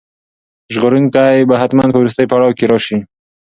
ژغورونکی به حتماً په وروستي پړاو کې راشي.